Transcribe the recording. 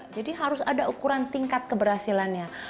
jadi harus ada ukuran tingkat keberhasilannya